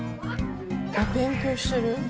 勉強してる。